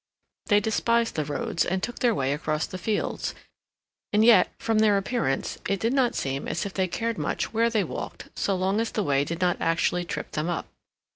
They despised the roads, and took their way across the fields; and yet, from their appearance, it did not seem as if they cared much where they walked so long as the way did not actually trip them up.